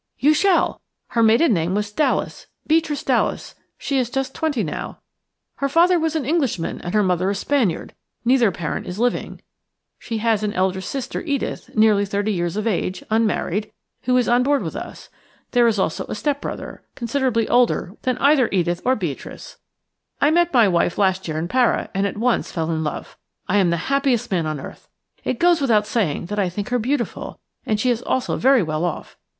"You shall. Her maiden name was Dallas; Beatrice Dallas. She is just twenty now. Her father was an Englishman and her mother a Spaniard; neither parent is living. She has an elder sister, Edith, nearly thirty years of age, unmarried, who is on board with us. There is also a step brother, considerably older than either Edith or Beatrice. I met my wife last year in Para, and at once fell in love. I am the happiest man on earth. It goes without saying that I think her beautiful, and she is also very well off.